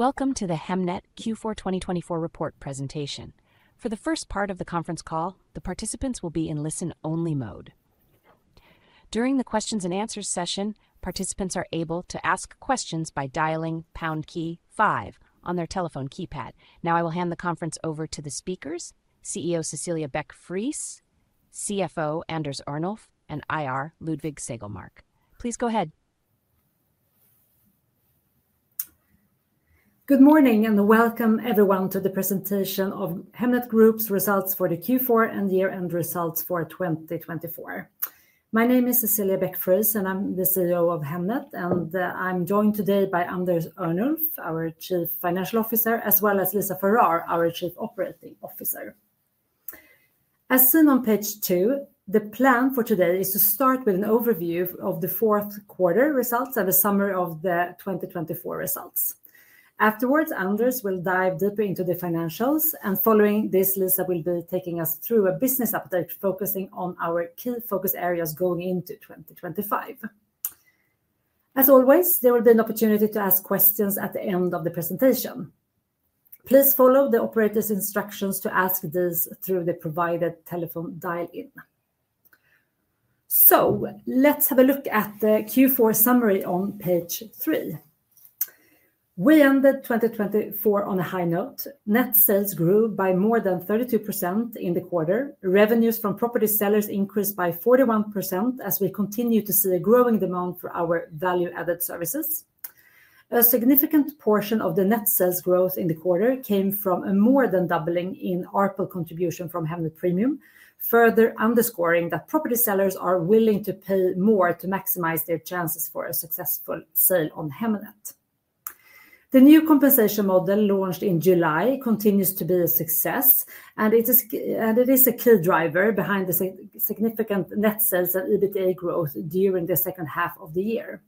Welcome to the Hemnet Q4 2024 Report Presentation. For the first part of the Conference Call, the participants will be in listen-only mode. During the Q&A session, participants are able to ask questions by dialing pound key five on their telephone keypad. Now, I will hand the conference over to the speakers: CEO Cecilia Beck-Friis, CFO Anders Örnulf, and IR Ludvig Segelmark. Please go ahead. Good morning, and Welcome Everyone to the Presentation of Hemnet Group's Results for Q4 and Year-End Results for 2024. My name is Cecilia Beck-Friis, and I'm the CEO of Hemnet. I'm joined today by Anders Örnulf, our Chief Financial Officer, as well as Lisa Farrar, our Chief Operating Officer. As seen on Page 2, the plan for today is to start with an overview of the Q4 Results and a Summary of the 2024 Results. Afterwards, Anders will dive deeper into the financials, and following this, Lisa will be taking us through a business update focusing on our key focus areas going into 2025. As always, there will be an opportunity to ask questions at the end of the presentation. Please follow the operators' instructions to ask these through the provided telephone dial-in. So, let's have a look at the Q4 summary on Page 3. We ended 2024 on a high note. Net sales grew by more than 32% in the quarter. Revenues from property sellers increased by 41% as we continue to see a growing demand for our value-added services. A significant portion of the net sales growth in the quarter came from a more than doubling in ARPL contribution from Hemnet Premium, further underscoring that property sellers are willing to pay more to maximize their chances for a successful sale on Hemnet. The new compensation model launched in July continues to be a success, and it is a key driver behind the significant net sales and EBITDA growth during the second half of the year.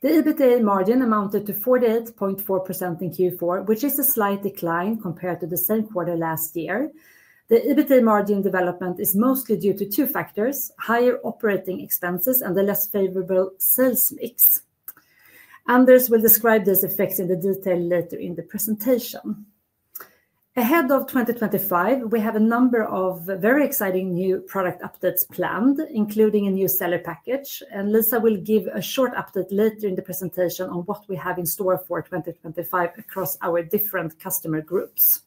The EBITDA margin amounted to 48.4% in Q4, which is a slight decline compared to the same quarter last year. The EBITDA margin development is mostly due to two factors: higher operating expenses and a less favorable sales mix. Anders will describe these effects in detail later in the presentation. Ahead of 2025, we have a number of very exciting new product updates planned, including a new seller package, and Lisa will give a short update later in the presentation on what we have in store for 2025 across our different customer groups.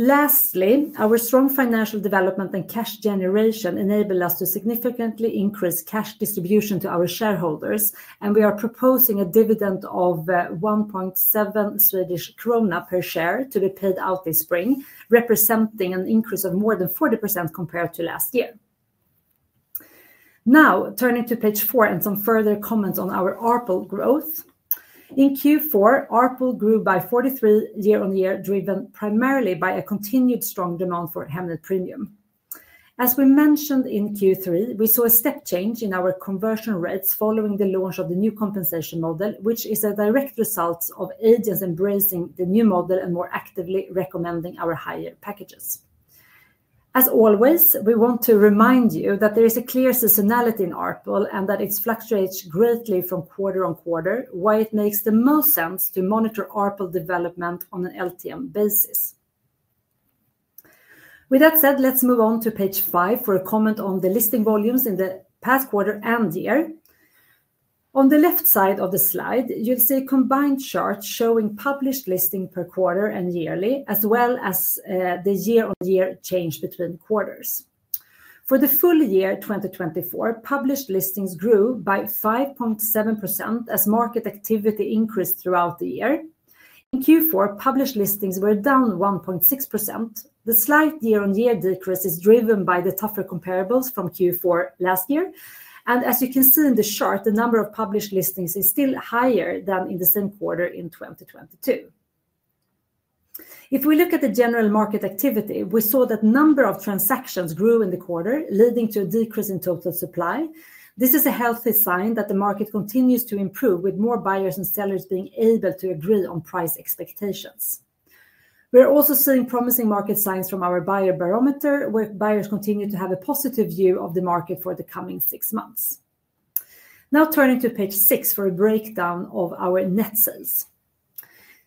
Lastly, our strong financial development and cash generation enable us to significantly increase cash distribution to our shareholders, and we are proposing a dividend of 1.7 Swedish krona per share to be paid out this spring, representing an increase of more than 40% compared to last year. Now, turning to Page 4 and some further comments on our ARPL growth. In Q4, ARPL grew by 43% year-on-year, driven primarily by a continued strong demand for Hemnet Premium. As we mentioned in Q3, we saw a step change in our conversion rates following the launch of the new compensation model, which is a direct result of agents embracing the new model and more actively recommending our higher packages. As always, we want to remind you that there is a clear seasonality in ARPL and that it fluctuates greatly from quarter to quarter. Why it makes the most sense to monitor ARPL development on an LTM basis. With that said, let's move on to Page 5 for a comment on the listing volumes in the past quarter and year. On the left side of the slide, you'll see a combined chart showing published listings per quarter and yearly, as well as the year-on-year change between quarters. For the full year 2024, published listings grew by 5.7% as market activity increased throughout the year. In Q4, published listings were down 1.6%. The slight year-on-year decrease is driven by the tougher comparables from Q4 last year, and as you can see in the chart, the number of published listings is still higher than in the same quarter in 2022. If we look at the general market activity, we saw that the number of transactions grew in the quarter, leading to a decrease in total supply. This is a healthy sign that the market continues to improve, with more buyers and sellers being able to agree on price expectations. We are also seeing promising market signs from our Buyer Barometer, where buyers continue to have a positive view of the market for the coming six months. Now, turning to Page 6 for a breakdown of our net sales.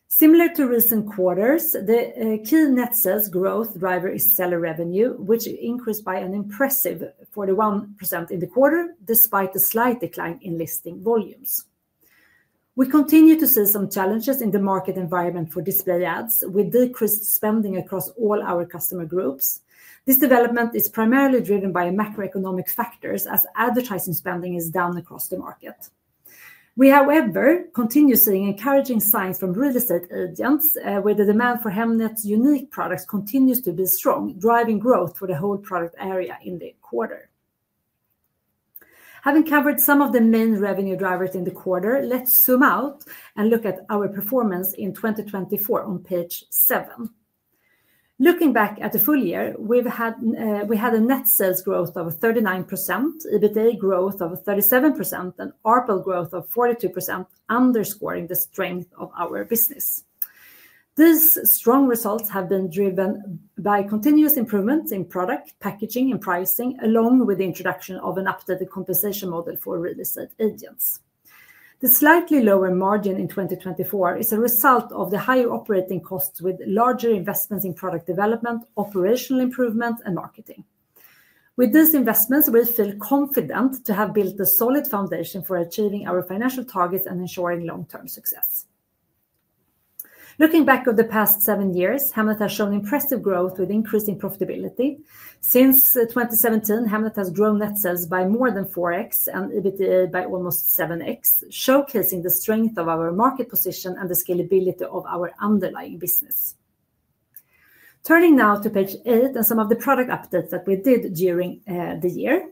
Similar to recent quarters, the key net sales growth driver is seller revenue, which increased by an impressive 41% in the quarter, despite a slight decline in listing volumes. We continue to see some challenges in the market environment for display ads, with decreased spending across all our customer groups. This development is primarily driven by macroeconomic factors, as advertising spending is down across the market. We, however, continue seeing encouraging signs from real estate agents, where the demand for Hemnet's unique products continues to be strong, driving growth for the whole product area in the quarter. Having covered some of the main revenue drivers in the quarter, let's zoom out and look at our performance in 2024 on Page 7. Looking back at the full year, we had a net sales growth of 39%, EBITDA growth of 37%, and ARPL growth of 42%, underscoring the strength of our business. These strong results have been driven by continuous improvements in product packaging and pricing, along with the introduction of an updated compensation model for real estate agents. The slightly lower margin in 2024 is a result of the higher operating costs, with larger investments in product development, operational improvement, and marketing. With these investments, we feel confident to have built a solid foundation for achieving our financial targets and ensuring long-term success. Looking back on the past seven years, Hemnet has shown impressive growth, with increasing profitability. Since 2017, Hemnet has grown net sales by more than 4x and EBITDA by almost 7x, showcasing the strength of our market position and the scalability of our underlying business. Turning now to Page 8 and some of the product updates that we did during the year.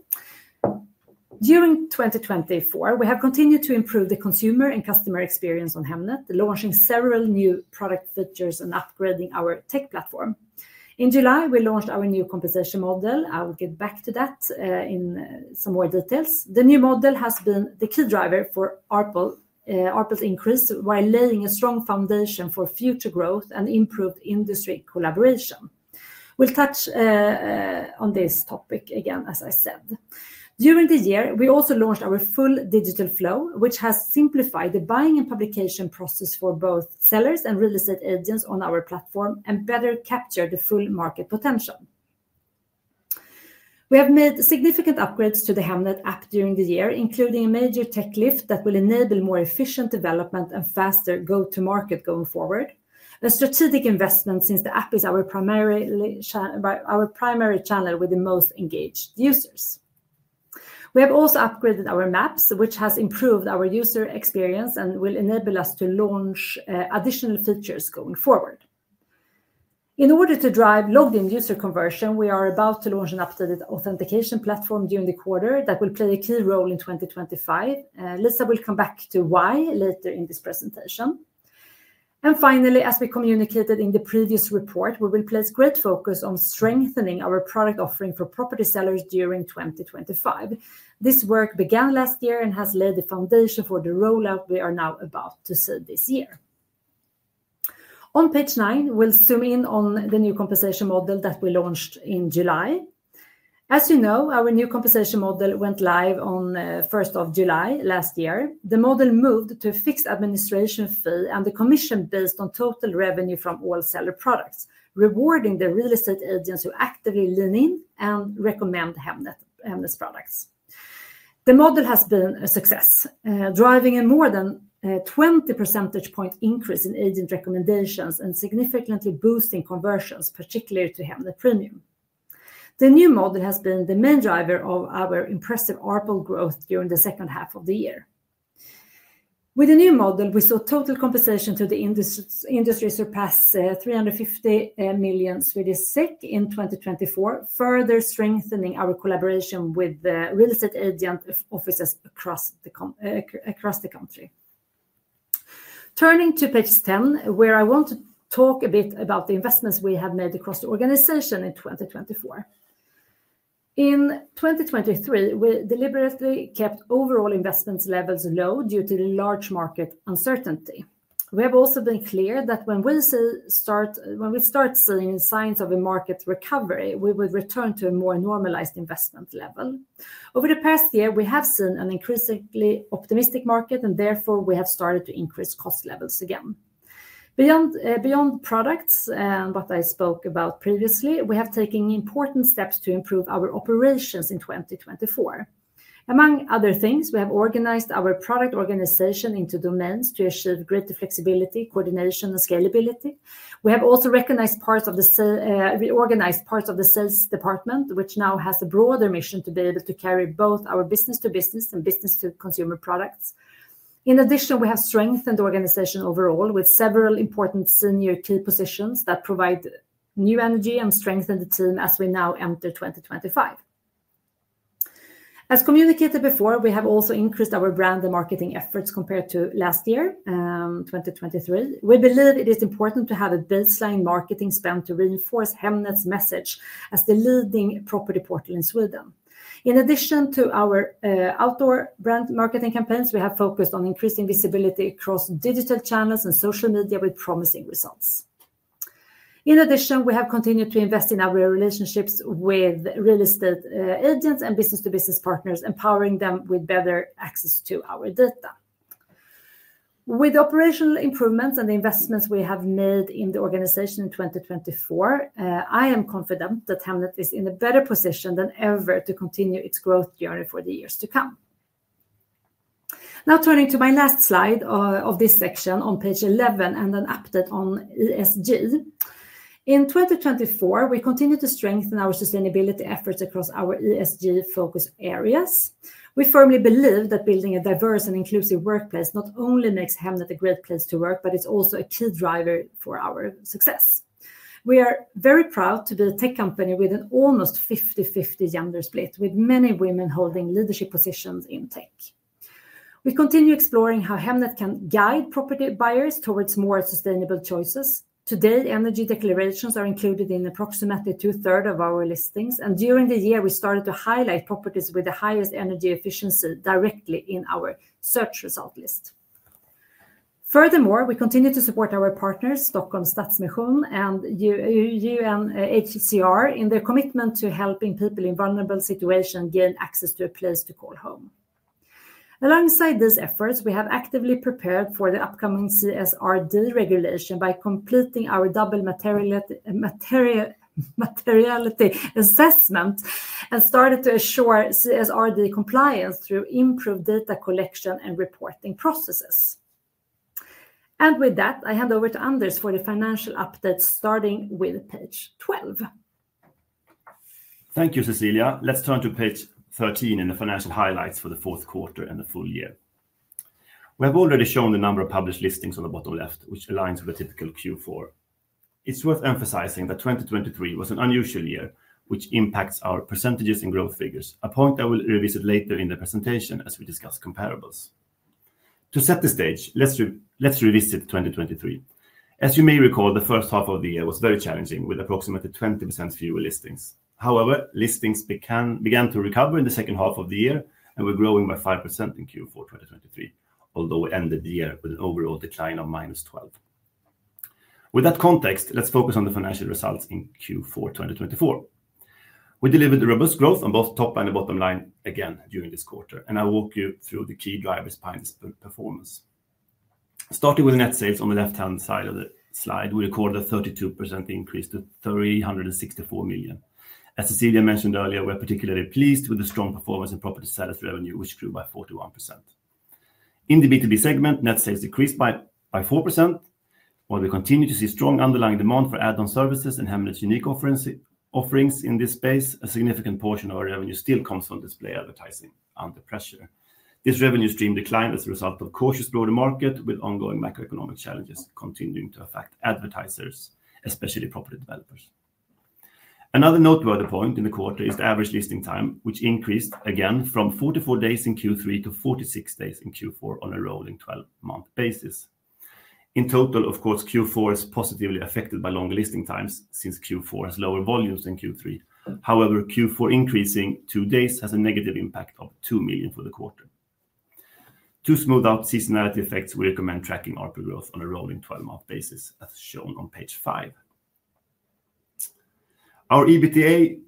During 2024, we have continued to improve the consumer and customer experience on Hemnet, launching several new product features and upgrading our tech platform. In July, we launched our new compensation model. I will get back to that in some more details. The new model has been the key driver for ARPL's increase, while laying a strong foundation for future growth and improved industry collaboration. We'll touch on this topic again, as I said. During the year, we also launched our full digital flow, which has simplified the buying and publication process for both sellers and real estate agents on our platform and better captured the full market potential. We have made significant upgrades to the Hemnet app during the year, including a major tech lift that will enable more efficient development and faster go-to-market going forward, a strategic investment since the app is our primary channel with the most engaged users. We have also upgraded our maps, which has improved our user experience and will enable us to launch additional features going forward. In order to drive logged-in user conversion, we are about to launch an updated authentication platform during the quarter that will play a key role in 2025. Lisa will come back to why later in this presentation. And finally, as we communicated in the previous report, we will place great focus on strengthening our product offering for property sellers during 2025. This work began last year and has laid the foundation for the rollout we are now about to see this year. On Page 9, we'll zoom in on the new compensation model that we launched in July. As you know, our new compensation model went live on 1 July last year. The model moved to a fixed administration fee and a commission based on total revenue from all seller products, rewarding the real estate agents who actively lean in and recommend Hemnet's products. The model has been a success, driving a more than 20 percentage point increase in agent recommendations and significantly boosting conversions, particularly to Hemnet Premium. The new model has been the main driver of our impressive ARPL growth during the second half of the year. With the new model, we saw total compensation to the industry surpass 350 million in 2024, further strengthening our collaboration with real estate agent offices across the country. Turning to Page 10, where I want to talk a bit about the investments we have made across the organization in 2024. In 2023, we deliberately kept overall investment levels low due to large market uncertainty. We have also been clear that when we start seeing signs of a market recovery, we would return to a more normalized investment level. Over the past year, we have seen an increasingly optimistic market, and therefore we have started to increase cost levels again. Beyond products, and what I spoke about previously, we have taken important steps to improve our operations in 2024. Among other things, we have organized our product organization into domains to achieve greater flexibility, coordination, and scalability. We have also organized parts of the sales department, which now has a broader mission to be able to carry both our business-to-business and business-to-consumer products. In addition, we have strengthened organization overall with several important senior key positions that provide new energy and strengthen the team as we now enter 2025. As communicated before, we have also increased our brand and marketing efforts compared to last year, 2023. We believe it is important to have a baseline marketing spend to reinforce Hemnet's message as the leading property portal in Sweden. In addition to our outdoor brand marketing campaigns, we have focused on increasing visibility across digital channels and social media with promising results. In addition, we have continued to invest in our relationships with real estate agents and business-to-business partners, empowering them with better access to our data. With operational improvements and the investments we have made in the organization in 2024, I am confident that Hemnet is in a better position than ever to continue its growth journey for the years to come. Now, turning to my last slide of this section on Page 11 and an update on ESG. In 2024, we continue to strengthen our sustainability efforts across our ESG-focused areas. We firmly believe that building a diverse and inclusive workplace not only makes Hemnet a great place to work, but it's also a key driver for our success. We are very proud to be a tech company with an almost 50-50 gender split, with many women holding leadership positions in tech. We continue exploring how Hemnet can guide property buyers towards more sustainable choices. Today, energy declarations are included in approximately two-thirds of our listings, and during the year, we started to highlight properties with the highest energy efficiency directly in our search result list. Furthermore, we continue to support our partners, Stockholms Stadsmission and UNHCR, in their commitment to helping people in vulnerable situations gain access to a place to call home. Alongside these efforts, we have actively prepared for the upcoming CSRD regulation by completing our Double Materiality Assessment and started to assure CSRD compliance through improved data collection and reporting processes. And with that, I hand over to Anders for the financial updates, starting with Page 12. Thank you, Cecilia. Let's turn to Page 13 and the financial highlights for the Q4 and the full year. We have already shown the number of published listings on the bottom left, which aligns with a typical Q4. It's worth emphasizing that 2023 was an unusual year, which impacts our percentages and growth figures, a point I will revisit later in the presentation as we discuss comparables. To set the stage, let's revisit 2023. As you may recall, the first half of the year was very challenging, with approximately 20% fewer listings. However, listings began to recover in the second half of the year and were growing by 5% in Q4 2023, although we ended the year with an overall decline of -12%. With that context, let's focus on the financial results in Q4 2024. We delivered robust growth on both top and bottom line again during this quarter, and I'll walk you through the key drivers behind this performance. Starting with net sales on the left-hand side of the slide, we recorded a 32% increase to 364 million. As Cecilia mentioned earlier, we are particularly pleased with the strong performance in property sales revenue, which grew by 41%. In the B2B segment, net sales decreased by 4%, while we continue to see strong underlying demand for add-on services and Hemnet's unique offerings in this space. A significant portion of our revenue still comes from display advertising under pressure. This revenue stream declined as a result of cautious broader market, with ongoing macroeconomic challenges continuing to affect advertisers, especially property developers. Another noteworthy point in the quarter is the average listing time, which increased again from 44 days in Q3 to 46 days in Q4 on a rolling 12-month basis. In total, of course, Q4 is positively affected by longer listing times since Q4 has lower volumes than Q3. However, Q4 increasing two days has a negative impact of 2 million for the quarter. To smooth out seasonality effects, we recommend tracking ARPL growth on a rolling 12-month basis, as shown on Page 5. Our EBITDA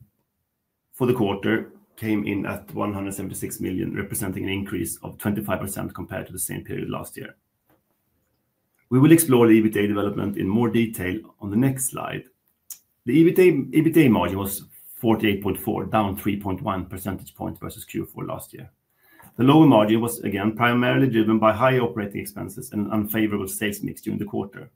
for the quarter came in at 176 million, representing an increase of 25% compared to the same period last year. We will explore the EBITDA development in more detail on the next slide. The EBITDA margin was 48.4%, down 3.1 percentage points versus Q4 last year. The lower margin was again primarily driven by high operating expenses and an unfavorable sales mix during the quarter.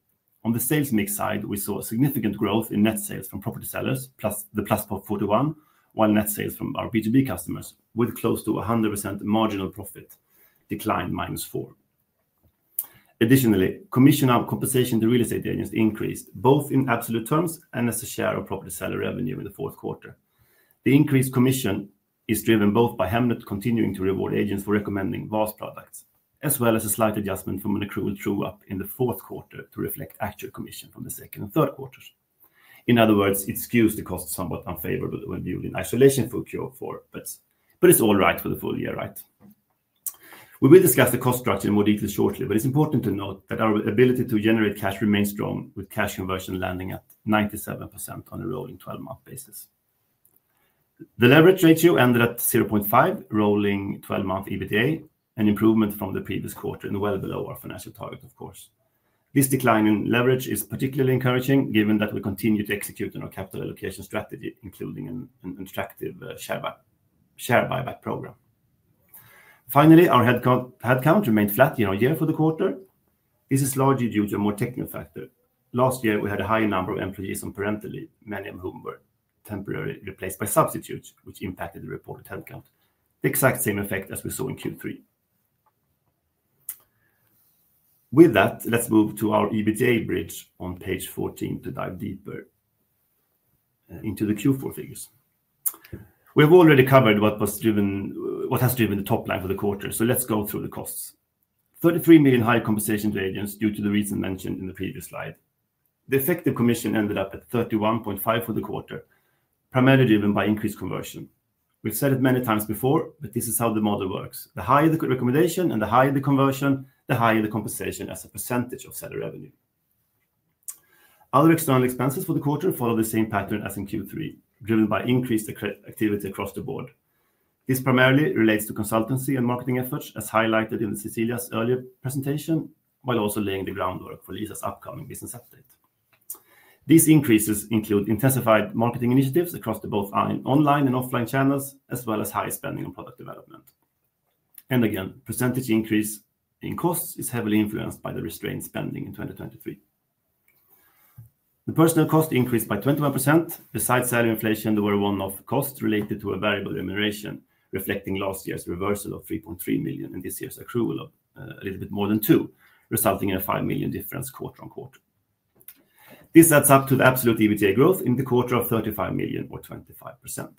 On the sales mix side, we saw significant growth in net sales from property sellers, a Plus of 41%, while net sales from our B2B customers, with close to 100% marginal profit, declined -4%. Additionally, commission compensation to real estate agents increased, both in absolute terms and as a share of property seller revenue in the Q4. The increased commission is driven both by Hemnet continuing to reward agents for recommending VAS products, as well as a slight adjustment from an accrual true-up in the Q4 to reflect actual commission from the second and third quarters. In other words, it skews the costs somewhat unfavorably when viewed in isolation for Q4, but it's all right for the full year, right? We will discuss the cost structure more deeply shortly, but it's important to note that our ability to generate cash remains strong, with cash conversion landing at 97% on a rolling 12-month basis. The leverage ratio ended at 0.5, rolling 12-month EBITDA, an improvement from the previous quarter and well below our financial target, of course. This decline in leverage is particularly encouraging, given that we continue to execute on our capital allocation strategy, including an attractive share buyback program. Finally, our headcount remained flat in our year for the quarter. This is largely due to a more technical factor. Last year, we had a high number of employees on parental, many of whom were temporarily replaced by substitutes, which impacted the reported headcount, the exact same effect as we saw in Q3. With that, let's move to our EBITDA bridge on Page 14 to dive deeper into the Q4 figures. We have already covered what has driven the top line for the quarter, so let's go through the costs. 33 million higher compensation to agents due to the reason mentioned in the previous slide. The effective commission ended up at 31.5% for the quarter, primarily driven by increased conversion. We've said it many times before, but this is how the model works. The higher the recommendation and the higher the conversion, the higher the compensation as a percentage of seller revenue. Other external expenses for the quarter follow the same pattern as in Q3, driven by increased activity across the board. This primarily relates to consultancy and marketing efforts, as highlighted in Cecilia's earlier presentation, while also laying the groundwork for Lisa's upcoming business update. These increases include intensified marketing initiatives across both online and offline channels, as well as high spending on product development. Again, percentage increase in costs is heavily influenced by the restrained spending in 2023. Personnel costs increased by 21%. Besides salary inflation, there were one-off costs related to variable remuneration, reflecting last year's reversal of 3.3 million and this year's accrual of a little bit more than 2 million, resulting in a 5 million difference quarter on quarter. This adds up to the absolute EBITDA growth in the quarter of 35 million or 25%.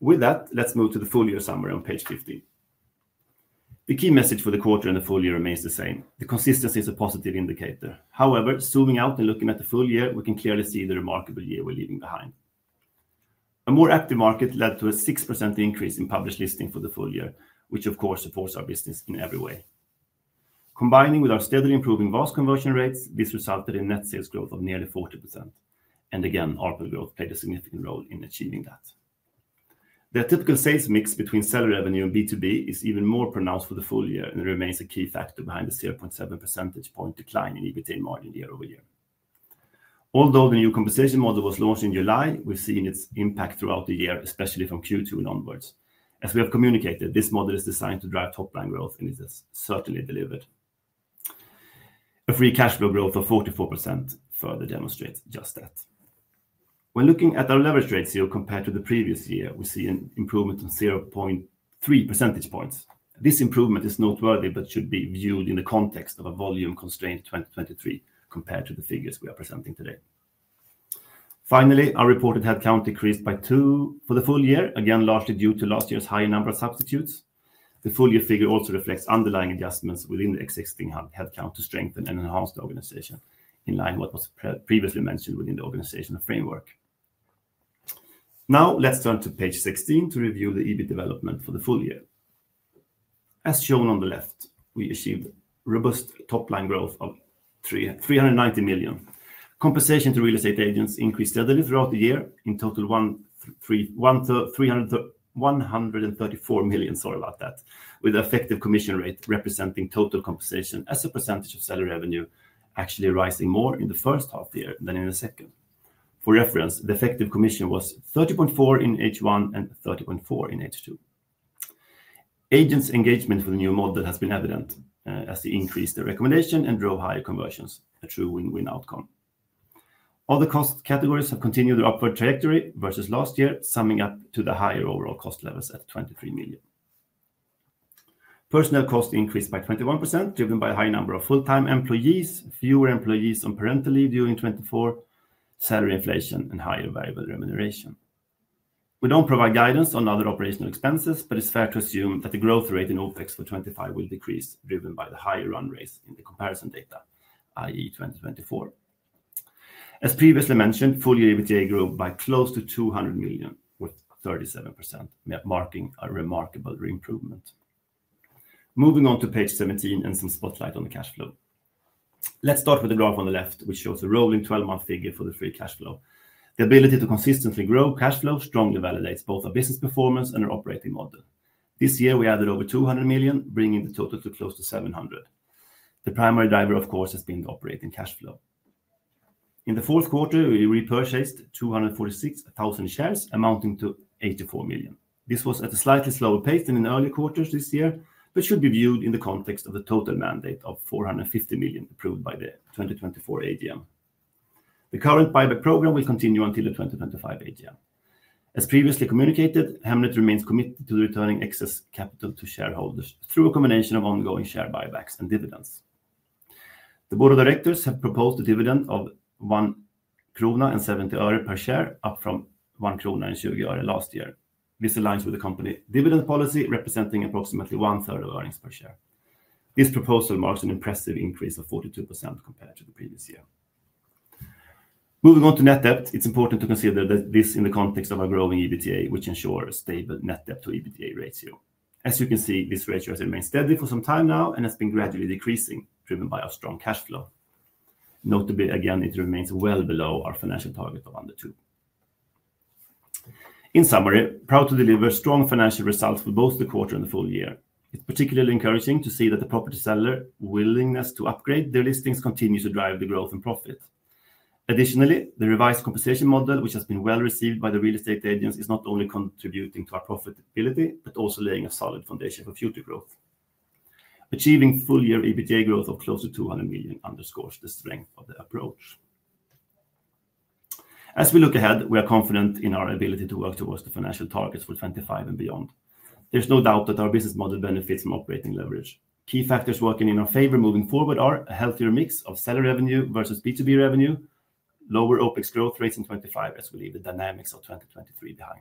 With that, let's move to the full year summary on Page 15. The key message for the quarter and the full year remains the same. The consistency is a positive indicator. However, zooming out and looking at the full year, we can clearly see the remarkable year we're leaving behind. A more active market led to a 6% increase in published listing for the full year, which, of course, supports our business in every way. Combining with our steadily improving VAS conversion rates, this resulted in net sales growth of nearly 40%. And again, ARPL growth played a significant role in achieving that. The typical sales mix between seller revenue and B2B is even more pronounced for the full year, and it remains a key factor behind the 0.7 percentage point decline in EBITDA margin year over year. Although the new compensation model was launched in July, we've seen its impact throughout the year, especially from Q2 onwards. As we have communicated, this model is designed to drive top-line growth, and it has certainly delivered. A free cash flow growth of 44% further demonstrates just that. When looking at our leverage ratio compared to the previous year, we see an improvement of 0.3 percentage points. This improvement is noteworthy, but should be viewed in the context of a volume constrained 2023 compared to the figures we are presenting today. Finally, our reported headcount decreased by two for the full year, again largely due to last year's higher number of substitutes. The full year figure also reflects underlying adjustments within the existing headcount to strengthen and enhance the organization, in line with what was previously mentioned within the organizational framework. Now, let's turn to Page 16 to review the EBIT development for the full year. As shown on the left, we achieved robust top-line growth of 390 million. Compensation to real estate agents increased steadily throughout the year in total 134 million. Sorry about that. With the effective commission rate representing total compensation as a percentage of seller revenue, actually rising more in the first half year than in the second. For reference, the effective commission was 30.4% in H1 and 30.4% in H2. Agents' engagement with the new model has been evident as they increased their recommendation and drove higher conversions, a true win-win outcome. Other cost categories have continued their upward trajectory versus last year, summing up to the higher overall cost levels at 23 million. Personnel cost increased by 21%, driven by a high number of full-time employees, fewer employees on parental leave during 2024, salary, inflation, and higher variable remuneration. We don't provide guidance on other operational expenses, but it's fair to assume that the growth rate in OPEX for 2025 will decrease, driven by the higher run rates in the comparison data, i.e., 2024. As previously mentioned, full year EBITDA grew by close to 200 million, with 37% marking a remarkable improvement. Moving on to Page 17 and some spotlight on the cash flow. Let's start with the graph on the left, which shows a rolling 12-month figure for the free cash flow. The ability to consistently grow cash flow strongly validates both our business performance and our operating model. This year, we added over 200 million, bringing the total to close to 700. The primary driver, of course, has been the operating cash flow. In the Q4, we repurchased 246,000 shares, amounting to 84 million. This was at a slightly slower pace than in earlier quarters this year, but should be viewed in the context of the total mandate of 450 million approved by the 2024 AGM. The current buyback program will continue until the 2025 AGM. As previously communicated, Hemnet remains committed to returning excess capital to shareholders through a combination of ongoing share buybacks and dividends. The Board of Directors have proposed a dividend of SEK 1.70 per share, up from SEK 1.20 last year. This aligns with the company's dividend policy, representing approximately one-third of earnings per share. This proposal marks an impressive increase of 42% compared to the previous year. Moving on to net debt, it's important to consider this in the context of our growing EBITDA, which ensures a stable net debt to EBITDA ratio. As you can see, this ratio has remained steady for some time now and has been gradually decreasing, driven by our strong cash flow. Notably, again, it remains well below our financial target of under 2. In summary, proud to deliver strong financial results for both the quarter and the full year. It's particularly encouraging to see that the property seller's willingness to upgrade their listings continues to drive the growth and profit. Additionally, the revised compensation model, which has been well received by the real estate agents, is not only contributing to our profitability, but also laying a solid foundation for future growth. Achieving full year EBITDA growth of close to 200 million underscores the strength of the approach. As we look ahead, we are confident in our ability to work towards the financial targets for 2025 and beyond. There's no doubt that our business model benefits from operating leverage. Key factors working in our favor moving forward are a healthier mix of seller revenue versus B2B revenue, lower OpEx growth rates in 2025 as we leave the dynamics of 2023 behind.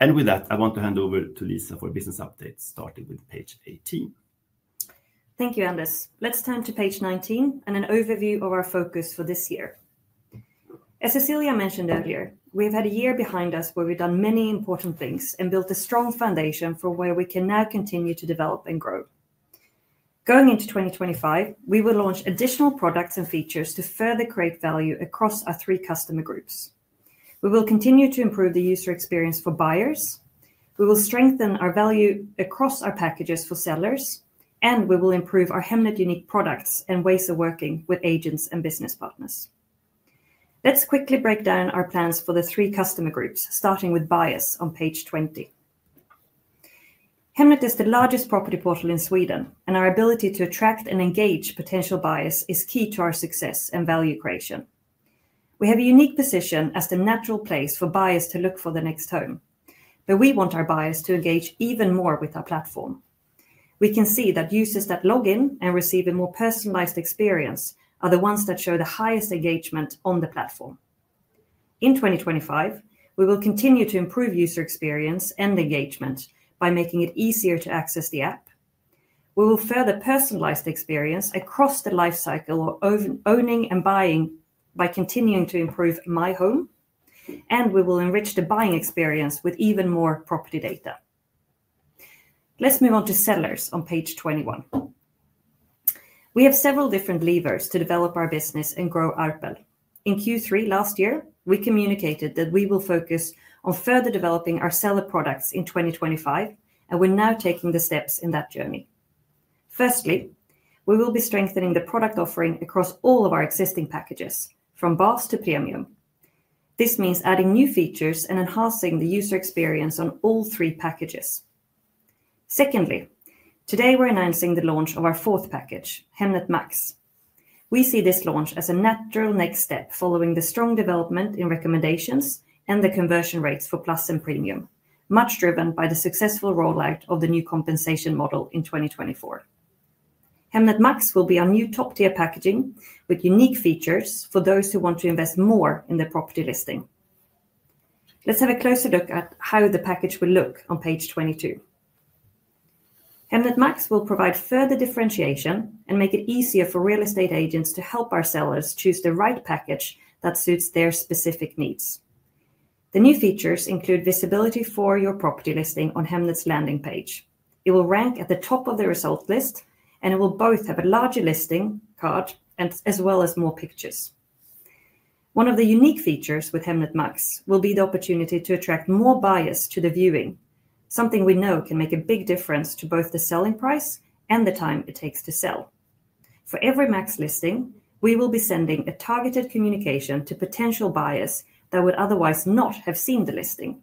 And with that, I want to hand over to Lisa for business updates, starting with Page 18. Thank you, Anders. Let's turn to Page 19 and an overview of our focus for this year. As Cecilia mentioned earlier, we have had a year behind us where we've done many important things and built a strong foundation for where we can now continue to develop and grow. Going into 2025, we will launch additional products and features to further create value across our three customer groups. We will continue to improve the user experience for buyers. We will strengthen our value across our packages for sellers, and we will improve our Hemnet unique products and ways of working with agents and business partners. Let's quickly break down our plans for the three customer groups, starting with buyers on Page 20. Hemnet is the largest property portal in Sweden, and our ability to attract and engage potential buyers is key to our success and value creation. We have a unique position as the natural place for buyers to look for the next home, but we want our buyers to engage even more with our platform. We can see that users that log in and receive a more personalized experience are the ones that show the highest engagement on the platform. In 2025, we will continue to improve user experience and engagement by making it easier to access the app. We will further personalize the experience across the lifecycle of owning and buying by continuing to improve My Home, and we will enrich the buying experience with even more property data. Let's move on to sellers on Page 21. We have several different levers to develop our business and grow ARPL. In Q3 last year, we communicated that we will focus on further developing our seller products in 2025, and we're now taking the steps in that journey. Firstly, we will be strengthening the product offering across all of our existing packages, from VAS to Premium. This means adding new features and enhancing the user experience on all three packages. Secondly, today we're announcing the launch of our fourth package, Hemnet Max. We see this launch as a natural next step following the strong development in recommendations and the conversion rates for Plus and Premium, much driven by the successful rollout of the new compensation model in Hemnet Max will be our new top-tier package with unique features for those who want to invest more in their property listing. Let's have a closer look at how the package will look on Page 22. Hemnet Max will provide further differentiation and make it easier for real estate agents to help our sellers choose the right package that suits their specific needs. The new features include visibility for your property listing on Hemnet's landing Page. It will rank at the top of the result list, and it will both have a larger listing card as well as more pictures. One of the unique features Hemnet Max will be the opportunity to attract more buyers to the viewing, something we know can make a big difference to both the selling price and the time it takes to sell. For every Max listing, we will be sending a targeted communication to potential buyers that would otherwise not have seen the listing.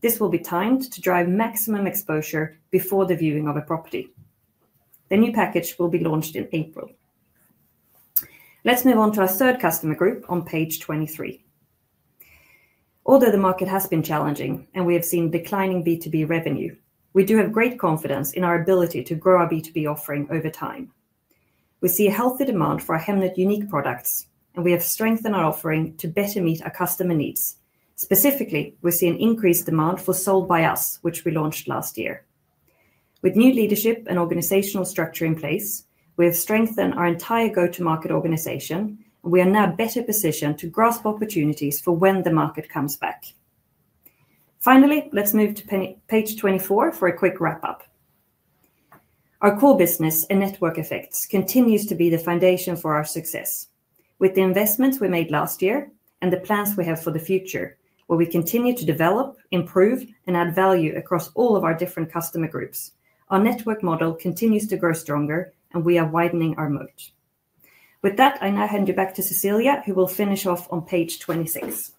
This will be timed to drive maximum exposure before the viewing of a property. The new package will be launched in April. Let's move on to our third customer group on Page 23. Although the market has been challenging and we have seen declining B2B revenue, we do have great confidence in our ability to grow our B2B offering over time. We see a healthy demand for our Hemnet unique products, and we have strengthened our offering to better meet our customer needs. Specifically, we see an increased demand for Sold by Us, which we launched last year. With new leadership and organizational structure in place, we have strengthened our entire go-to-market organization, and we are now better positioned to grasp opportunities for when the market comes back. Finally, let's move to Page 24 for a quick wrap-up. Our core business and network effects continue to be the foundation for our success. With the investments we made last year and the plans we have for the future, where we continue to develop, improve, and add value across all of our different customer groups, our network model continues to grow stronger, and we are widening our moat. With that, I now hand you back to Cecilia, who will finish off on Page 26.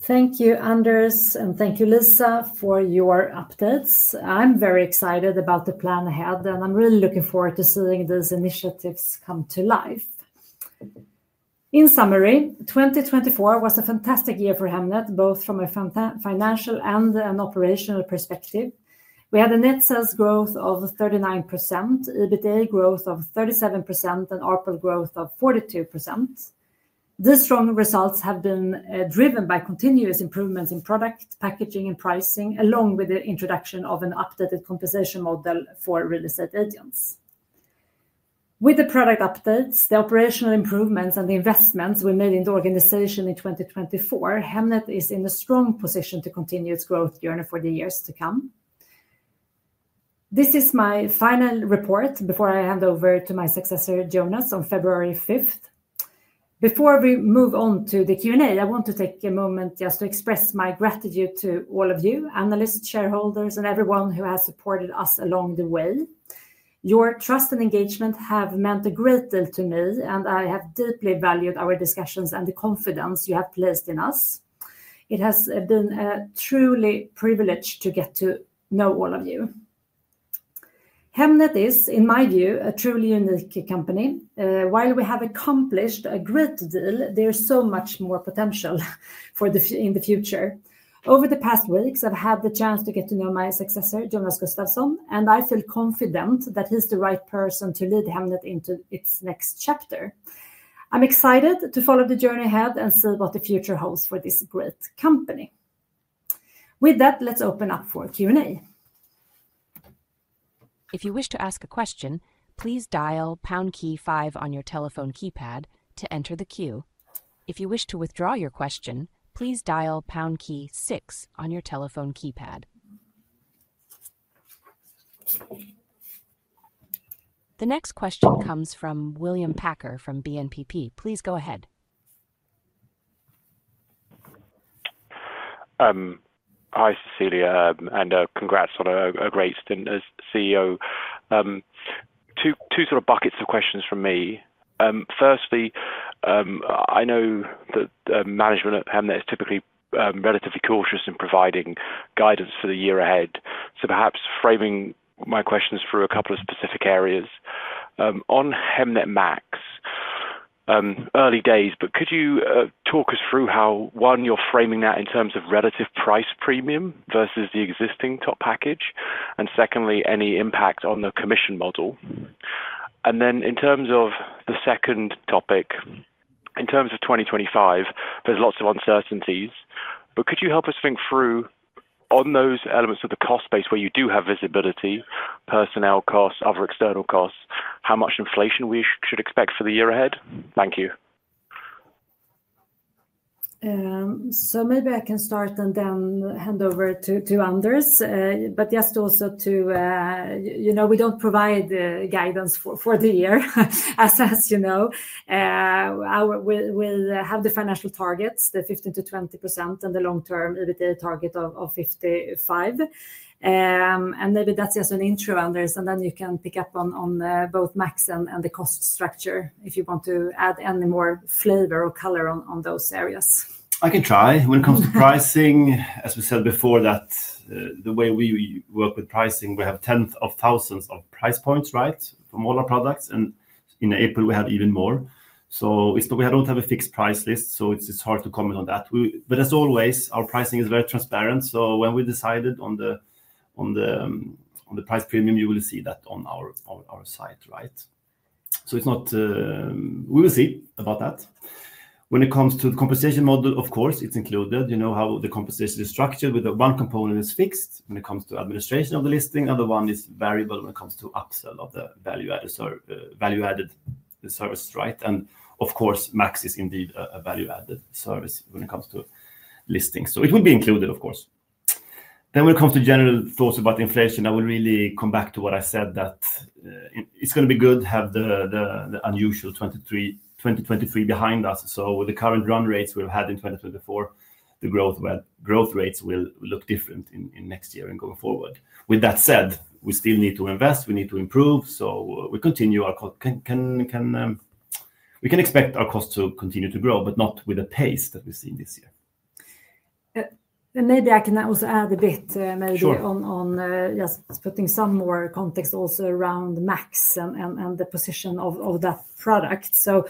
Thank you, Anders, and thank you, Lisa, for your updates. I'm very excited about the plan ahead, and I'm really looking forward to seeing these initiatives come to life. In summary, 2024 was a fantastic year for Hemnet, both from a financial and an operational perspective. We had a net sales growth of 39%, EBITDA growth of 37%, and ARPL growth of 42%. These strong results have been driven by continuous improvements in product packaging and pricing, along with the introduction of an updated compensation model for real estate agents. With the product updates, the operational improvements, and the investments we made in the organization in 2024, Hemnet is in a strong position to continue its growth journey for the years to come. This is my final report before I hand over to my successor, Jonas, on February 5th. Before we move on to the Q&A, I want to take a moment just to express my gratitude to all of you, analysts, shareholders, and everyone who has supported us along the way. Your trust and engagement have meant a great deal to me, and I have deeply valued our discussions and the confidence you have placed in us. It has been a true privilege to get to know all of you. Hemnet is, in my view, a truly unique company. While we have accomplished a great deal, there is so much more potential in the future. Over the past weeks, I've had the chance to get to know my successor, Jonas Gustavsson, and I feel confident that he's the right person to lead Hemnet into its next chapter. I'm excited to follow the journey ahead and see what the future holds for this great company. With that, let's open up for Q&A. If you wish to ask a question, please dial pound key five on your telephone keypad to enter the queue. If you wish to withdraw your question, please dial pound key six on your telephone keypad. The next question comes from William Packer from BNP Paribas. Please go ahead. Hi, Cecilia, and Congratulations on being a great CEO. Two sort of buckets of questions for me. Firstly, I know that management at Hemnet is typically relatively cautious in providing guidance for the year ahead, so perhaps framing my questions through a couple of specific areas. Hemnet Max, early days, but could you talk us through how, one, you're framing that in terms of relative price premium versus the existing top package, and secondly, any impact on the commission model? And then in terms of the second topic, in terms of 2025, there's lots of uncertainties, but could you help us think through on those elements of the cost base where you do have visibility, personnel costs, other external costs, how much inflation we should expect for the year ahead? Thank you, so maybe I can start and then hand over to Anders, but yes, also we don't provide guidance for the year, as you know. We have the financial targets, the 15%-20% and the long-term EBITDA target of 55%. And maybe that's just an intro, Anders, and then you can pick up on both Max and the cost structure if you want to add any more flavor or color on those areas. I can try. When it comes to pricing, as we said before, that the way we work with pricing, we have tens of thousands of price points, right, from all our products, and in April, we have even more. So we don't have a fixed price list, so it's hard to comment on that. But as always, our pricing is very transparent, so when we decided on the price premium, you will see that on our site, right? So it's not, we will see about that. When it comes to the compensation model, of course, it's included. You know how the compensation is structured with one component that's fixed when it comes to administration of the listing, and the one is variable when it comes to upsell of the value-added service, right? And of course, Max is indeed a value-added service when it comes to listing. So it will be included, of course. Then, when it comes to general thoughts about inflation, I will really come back to what I said, that it's going to be good to have the unusual 2023 behind us. With the current run rates we've had in 2024, the growth rates will look different in next year and going forward. With that said, we still need to invest, we need to improve, so we continue our costs. We can expect our costs to continue to grow, but not with the pace that we've seen this year. Maybe I can also add a bit maybe on just putting some more context also around Max and the position of that product. So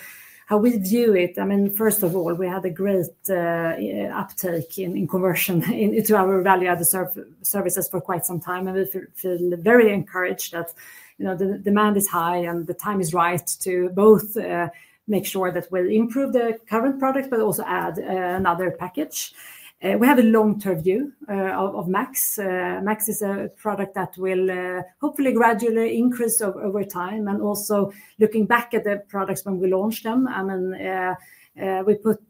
how we view it, first of all, we had a great uptake in conversion into our value-added services for quite some time, and we feel very encouraged that the demand is high and the time is right to both make sure that we improve the current product, but also add another package. We have a long-term view of Max. Max is a product that will hopefully gradually increase over time, and also looking back at the products when we launched them, we put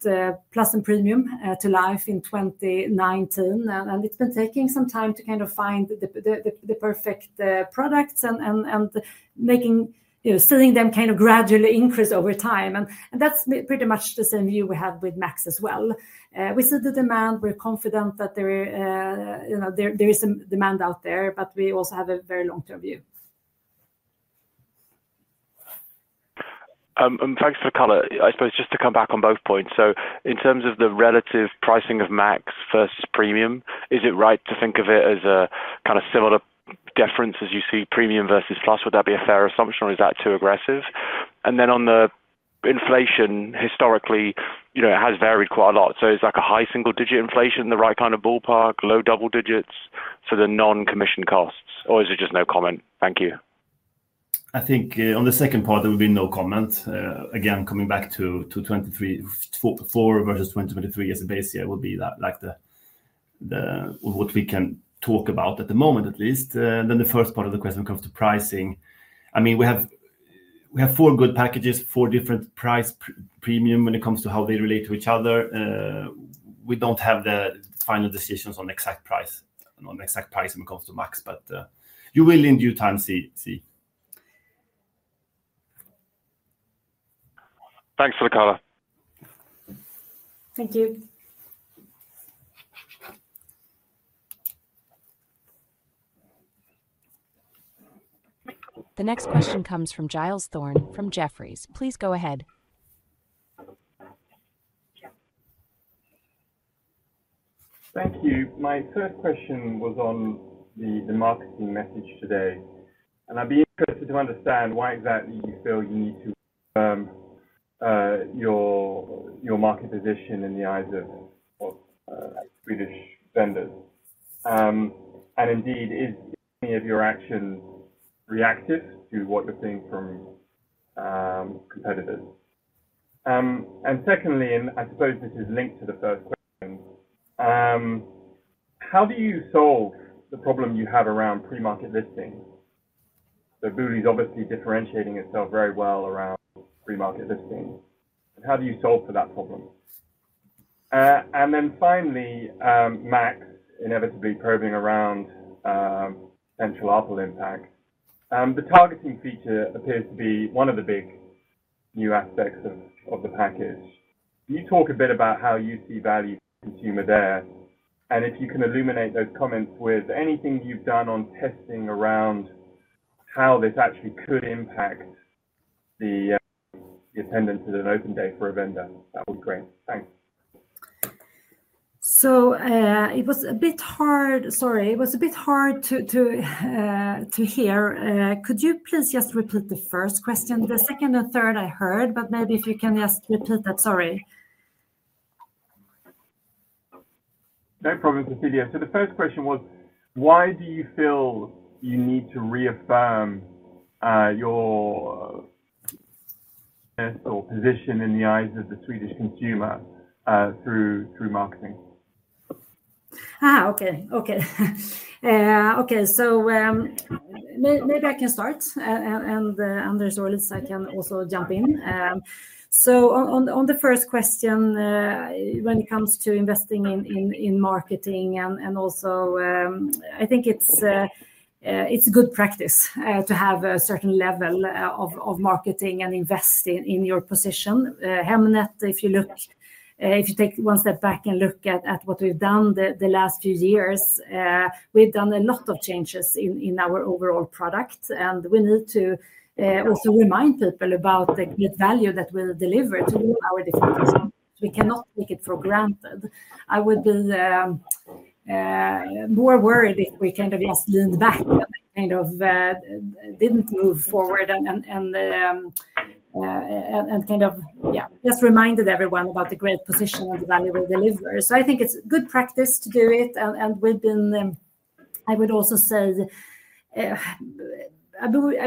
Plus and Premium to life in 2019, and it's been taking some time to kind of find the perfect products and making, seeing them kind of gradually increase over time. And that's pretty much the same view we have with Max as well. We see the demand, we're confident that there is some demand out there, but we also have a very long-term view. And thanks for the color. I suppose just to come back on both points, so in terms of the relative pricing of Max versus Premium, is it right to think of it as a kind of similar difference as you see Premium versus Plus? Would that be a fair assumption, or is that too aggressive? And then on the inflation, historically, it has varied quite a lot. So it's like a high single-digit inflation, the right kind of ballpark, low double digits for the non-commission costs, or is it just no comment? Thank you. I think on the second part, there will be no comment. Again, coming back to 2024 versus 2023 as a base year will be like what we can talk about at the moment, at least. Then the first part of the question when it comes to pricing, we have four good packages, four different price premium when it comes to how they relate to each other. We don't have the final decisions on exact price, on exact price when it comes to Max, but you will in due time see. Thanks for the color. Thank you. The next question comes from Giles Thorne from Jefferies. Please go ahead. Thank you. My first question was on the marketing message today, and I'd be interested to understand why exactly you feel you need to firm your market position in the eyes of Swedish vendors. And indeed, is any of your actions reactive to what you're seeing from competitors? And secondly, and I suppose this is linked to the first question, how do you solve the problem you have around pre-market listing? So Booli is obviously differentiating itself very well around pre-market listing. How do you solve for that problem? And finally, Hemnet Max, inevitably probing around potential ARPL impact, the targeting feature appears to be one of the big new aspects of the package. Can you talk a bit about how you see value for consumer there? And if you can illuminate those comments with anything you've done on testing around how this actually could impact the attendance at an open day for a vendor, that would be great. Thanks. So it was a bit hard, sorry, it was a bit hard to hear. Could you please just repeat the first question? The second and third I heard, but maybe if you can just repeat that, sorry. No problem, Cecilia. So the first question was, why do you feel you need to reaffirm your position in the eyes of the Swedish consumer through marketing? So maybe I can start, and Anders or Lisa can also jump in. So on the first question, when it comes to investing in marketing and also it's good practice to have a certain level of marketing and invest in your position. Hemnet, if you look, if you take one step back and look at what we've done the last few years, we've done a lot of changes in our overall product, and we need to also remind people about the value that we deliver to our different customers. We cannot take it for granted. I would be more worried if we kind of just leaned back and kind of didn't move forward and kind of, yeah, just reminded everyone about the great position and the value we deliver. So it's good practice to do it, and we've been, I would also say,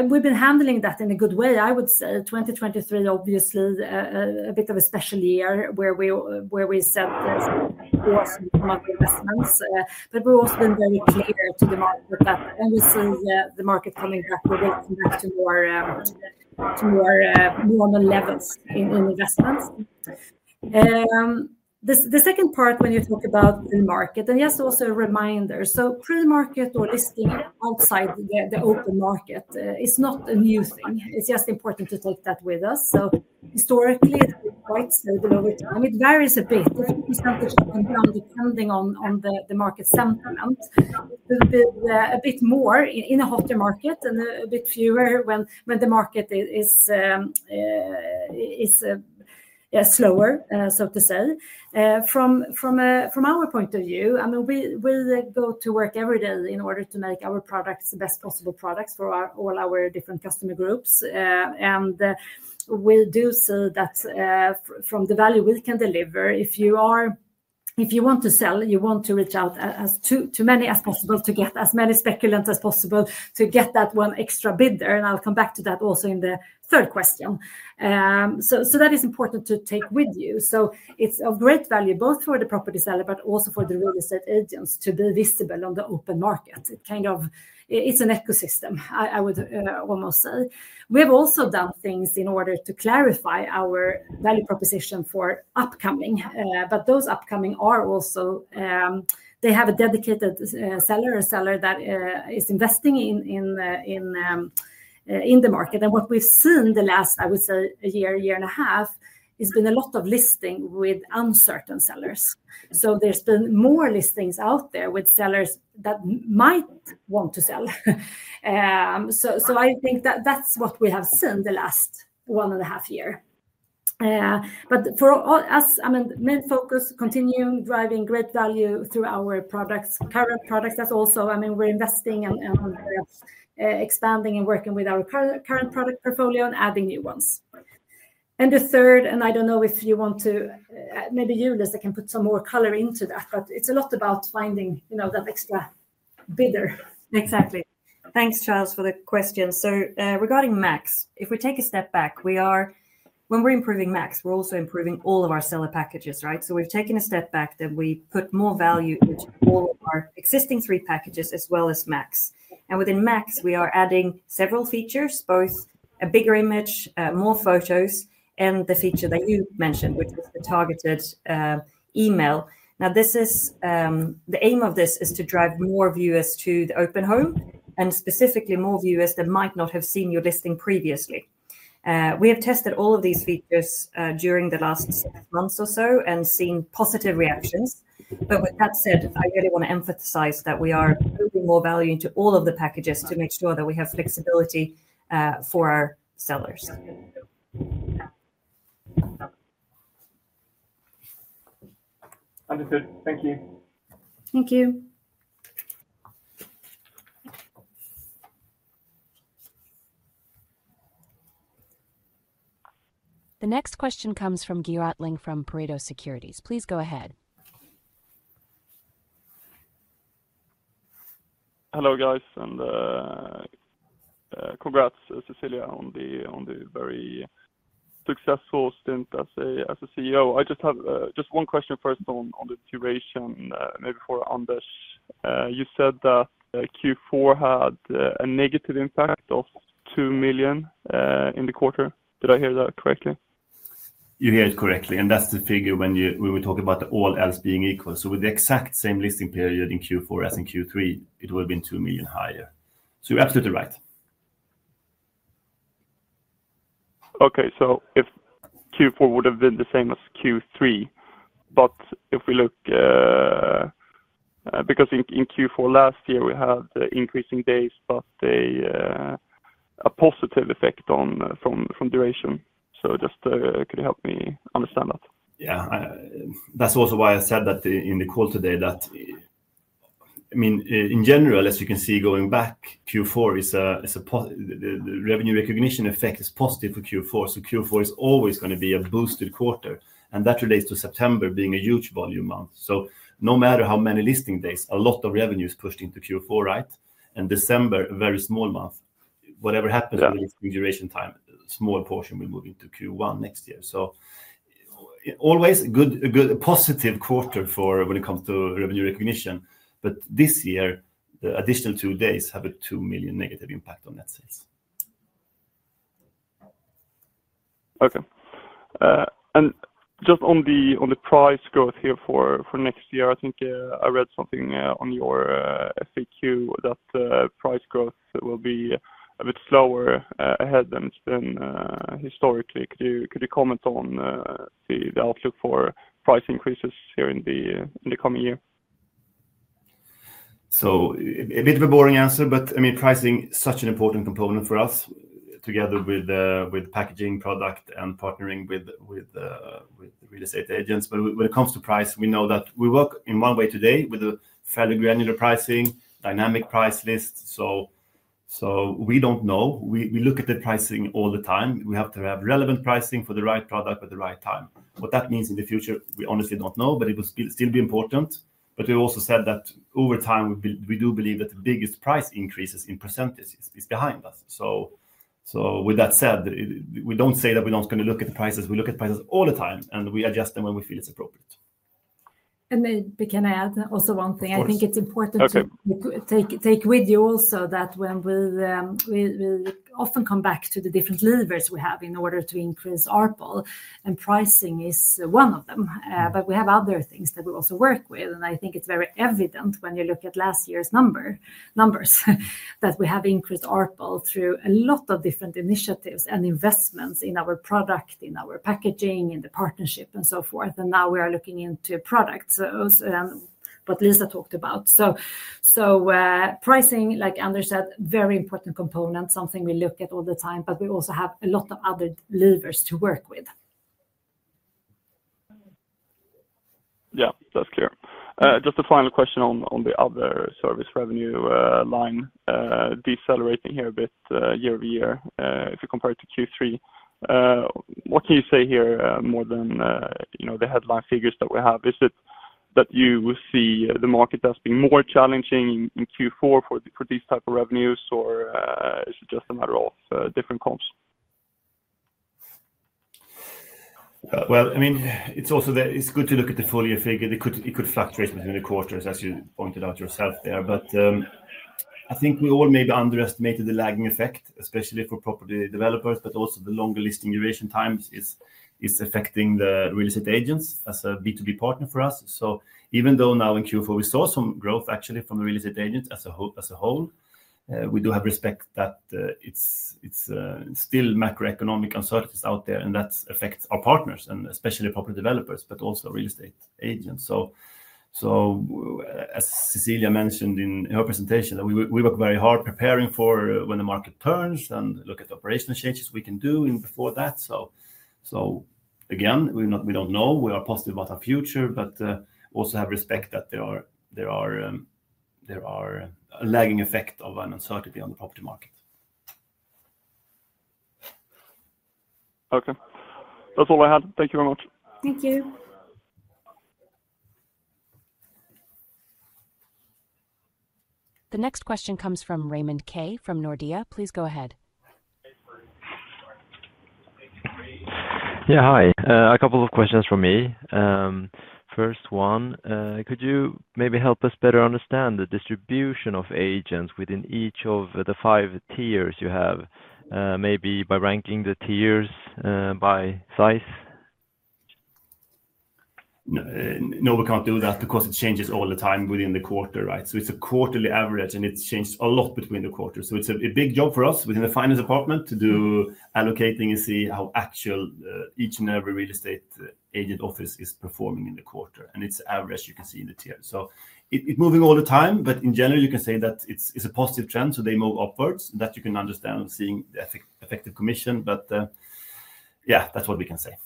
we've been handling that in a good way, I would say. 2023, obviously, a bit of a special year where we said there was some investments, but we've also been very clear to the market that we see the market coming back with it back to more normal levels in investments. The second part, when you talk about the market, and yes, also a reminder, so pre-market or listing outside the open market is not a new thing. It's just important to take that with us. So historically, it's been quite stable over time. It varies a bit, a percentage depending on the market sentiment. It would be a bit more in a hotter market and a bit fewer when the market is slower, so to say. From our point of view, we go to work every day in order to make our products the best possible products for all our different customer groups, and we do see that from the value we can deliver. If you want to sell, you want to reach out to as many as possible to get as many speculants as possible to get that one extra bidder, and I'll come back to that also in the third question. So that is important to take with you. So it's of great value both for the property seller but also for the real estate agents to be visible on the open market. It's kind of, it's an ecosystem, I would almost say. We have also done things in order to clarify our value proposition for upcoming, but those upcoming are also, they have a dedicated seller or seller that is investing in the market. And what we've seen the last, I would say, a year, year and a half, there's been a lot of listing with uncertain sellers. So there's been more listings out there with sellers that might want to sell. So that that's what we have seen the last one and a half year. But for us, main focus continuing driving great value through our current products. That's also, we're investing and expanding and working with our current product portfolio and adding new ones. And the third, and I don't know if you want to, maybe you, Lisa, can put some more color into that, but it's a lot about finding that extra bidder. Exactly. Thanks, Charles, for the question. So regarding Max, if we take a step back, when we're improving Max, we're also improving all of our seller packages, right? So we've taken a step back that we put more value into all of our existing three packages as well as Max. And within Max, we are adding several features, both a bigger image, more photos, and the feature that you mentioned, which is the targeted email. Now, the aim of this is to drive more viewers to the open home and specifically more viewers that might not have seen your listing previously. We have tested all of these features during the last six months or so and seen positive reactions. But with that said, I really want to emphasize that we are putting more value into all of the packages to make sure that we have flexibility for our sellers. Understood. Thank you. Thank you. The next question comes from Göran from Pareto Securities. Please go ahead. Hello guys, and congrats, Cecilia, on the very successful stint as a CEO. I just have one question first on the duration, maybe for Anders. You said that Q4 had a negative impact of 2 million in the quarter. Did I hear that correctly? You heard it correctly, and that's the figure when we were talking about all else being equal. So with the exact same listing period in Q4 as in Q3, it would have been 2 million higher. So you're absolutely right. Okay, so if Q4 would have been the same as Q3, but if we look, because in Q4 last year, we had increasing days, but a positive effect from duration. So just could you help me understand that? Yeah, that's also why I said that in the call today that, in general, as you can see going back, Q4 is a revenue recognition effect is positive for Q4. So Q4 is always going to be a boosted quarter, and that relates to September being a huge volume month. So no matter how many listing days, a lot of revenue is pushed into Q4, right? And December, a very small month. Whatever happens in the listing duration time, a small portion will move into Q1 next year. Always a good positive quarter when it comes to revenue recognition, but this year, the additional two days have a 2 million negative impact on net sales. Okay. Just on the price growth here for next year, I read something on your FAQ that price growth will be a bit slower ahead than historically. Could you comment on the outlook for price increases here in the coming year? A bit of a boring answer pricing is such an important component for us together with packaging product and partnering with real estate agents. When it comes to price, we know that we work in one way today with a fairly granular pricing, dynamic price list. We don't know. We look at the pricing all the time. We have to have relevant pricing for the right product at the right time. What that means in the future, we honestly don't know, but it will still be important. But we also said that over time, we do believe that the biggest price increases in percentages is behind us. So with that said, we don't say that we're not going to look at the prices. We look at prices all the time, and we adjust them when we feel it's appropriate. And maybe can I add also one thing? It's important to take with you also that when we often come back to the different levers we have in order to increase ARPL, and pricing is one of them, but we have other things that we also work with. It's very evident when you look at last year's numbers that we have increased ARPL through a lot of different initiatives and investments in our product, in our packaging, in the partnership, and so forth. Now we are looking into products, what Lisa talked about. Pricing, like Anders said, very important component, something we look at all the time, but we also have a lot of other levers to work with. Yeah, that's clear. Just a final question on the other service revenue line, decelerating here a bit year over year if you compare it to Q3. What can you say here more than the headline figures that we have? Is it that you see the market as being more challenging in Q4 for these types of revenues, or is it just a matter of different comps? It's also that it's good to look at the full year figure. It could fluctuate between the quarters, as you pointed out yourself there. We all maybe underestimated the lagging effect, especially for property developers, but also the longer listing duration times is affecting the real estate agents as a B2B partner for us. Even though now in Q4, we saw some growth actually from the real estate agents as a whole, we do have respect that it's still macroeconomic uncertainties out there, and that affects our partners, and especially property developers, but also real estate agents. As Cecilia mentioned in her presentation, we work very hard preparing for when the market turns and look at operational changes we can do before that. Again, we don't know. We are positive about our future, but also have respect that there are a lagging effect of uncertainty on the property market. Okay. That's all I had. Thank you very much. Thank you. The next question comes from Raymond Ke from Nordea. Please go ahead. Yeah, hi. A couple of questions for me. First one, could you maybe help us better understand the distribution of agents within each of the five tiers you have, maybe by ranking the tiers by size? No, we can't do that because it changes all the time within the quarter, right? So it's a quarterly average, and it's changed a lot between the quarters. So it's a big job for us within the finance department to do allocating and see how actual each and every real estate agent office is performing in the quarter. And it's average, you can see in the tier. It's moving all the time, but in general, you can say that it's a positive trend. They move upwards. That you can understand seeing the effective commission, but yeah, that's what we can say.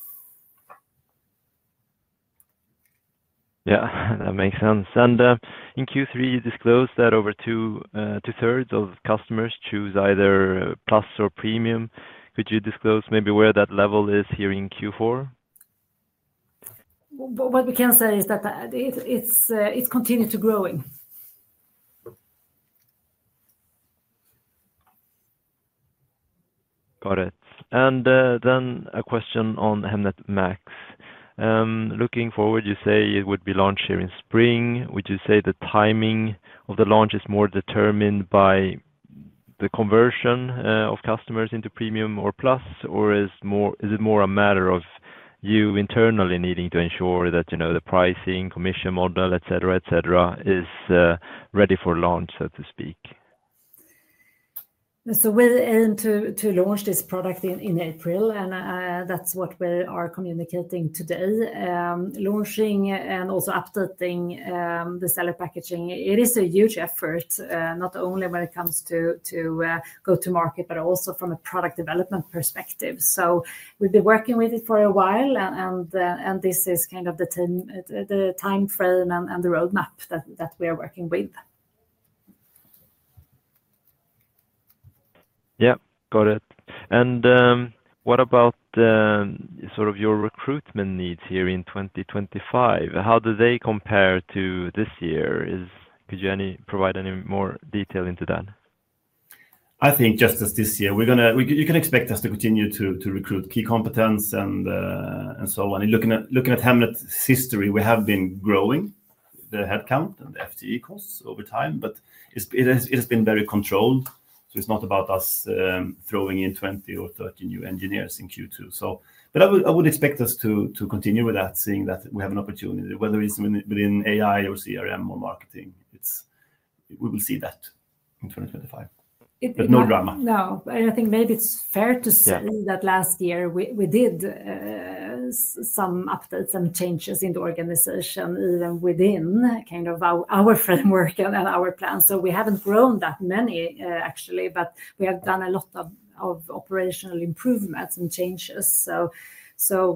Yeah, that makes sense. In Q3, you disclosed that over two-thirds of customers choose either Plus or Premium. Could you disclose maybe where that level is here in Q4? What we can say is that it's continued to growing. Got it. Then a question Hemnet Max. looking forward, you say it would be launched here in spring. Would you say the timing of the launch is more determined by the conversion of customers into Premium or Plus, or is it more a matter of you internally needing to ensure that the pricing, commission model, etc., is ready for launch, so to speak? We're aiming to launch this product in April, and that's what we are communicating today. Launching and also updating the seller packaging, it is a huge effort, not only when it comes to go-to-market, but also from a product development perspective. We've been working with it for a while, and this is kind of the timeframe and the roadmap that we are working with. Yeah, got it. And what about sort of your recruitment needs here in 2025? How do they compare to this year? Could you provide any more detail into that? Just as this year, you can expect us to continue to recruit key competencies and so on. Looking at Hemnet's history, we have been growing the headcount and the FTE costs over time, but it has been very controlled. It's not about us throwing in 20 or 30 new engineers in Q2. But I would expect us to continue with that, seeing that we have an opportunity, whether it's within AI or CRM or marketing. We will see that in 2025. But no drama. No, and maybe it's fair to say that last year, we did some updates and changes in the organization, even within kind of our framework and our plan. So we haven't grown that many, actually, but we have done a lot of operational improvements and changes. So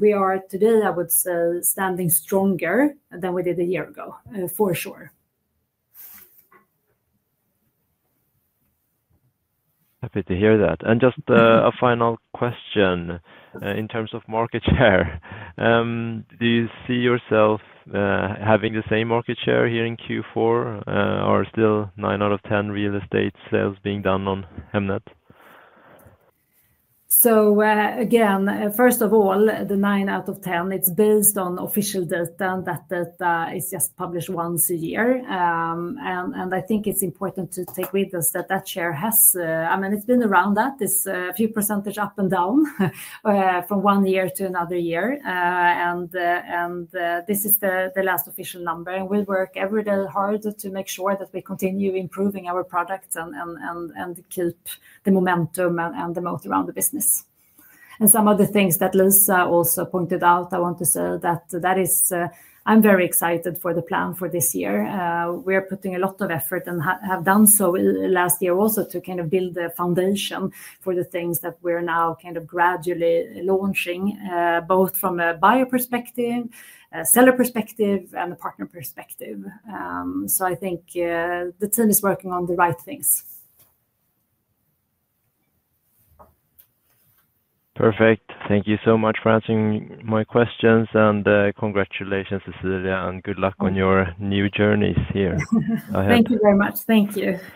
we are today, I would say, standing stronger than we did a year ago, for sure. Happy to hear that. And just a final question in terms of market share. Do you see yourself having the same market share here in Q4, or still nine out of 10 real estate sales being done on Hemnet? So, again, first of all, the 9 out of 10, it's based on official data. That data is just published once a year. It's important to take with us that that share has, it's been around that. It's a few percentage up and down from one year to another year. And this is the last official number. And we work every day hard to make sure that we continue improving our product and keep the momentum and the moat around the business. And some of the things that Lisa also pointed out, I want to say that I'm very excited for the plan for this year. We are putting a lot of effort and have done so last year also to kind of build the foundation for the things that we're now kind of gradually launching, both from a buyer perspective, a seller perspective, and a partner perspective. So the team is working on the right things. Perfect. Thank you so much for answering my questions. Congratulations, Cecilia, and good luck on your new journeys here. Thank you very much. Thank you.0